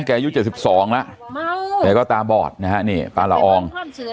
อายุ๗๒แล้วแกก็ตาบอดนะฮะนี่ป้าละออง